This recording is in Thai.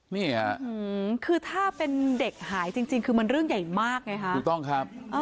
เนี่ยล๊อคคือถ้าเป็นเด็กหายจริงคือมันเรื่องใหญ่มากไงฮะ